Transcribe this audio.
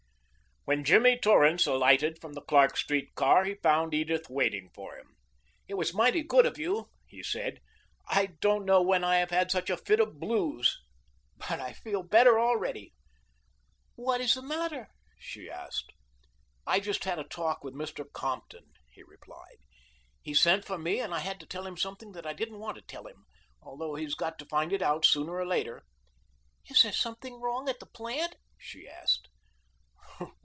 When Jimmy Torrance alighted from the Clark Street car he found Edith waiting for him. "It was mighty good of you," he said. "I don't know when I have had such a fit of blues, but I feel better already." "What is the matter?" she asked. "I just had a talk with Mr. Compton," he replied. "He sent for me and I had to tell him something that I didn't want to tell him, although he's got to find it out sooner or later anyway." "Is there something wrong at the plant?" she asked.